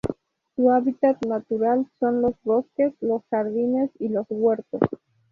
Su hábitat natural son los bosques, los jardines y los huertos.